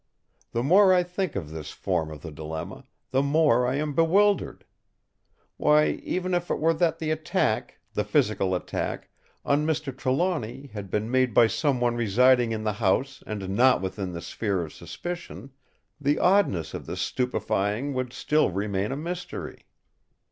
the more I think of this form of the dilemma, the more I am bewildered! Why, even if it were that the attack, the physical attack, on Mr. Trelawny had been made by some one residing in the house and not within the sphere of suspicion, the oddness of the stupefyings would still remain a mystery.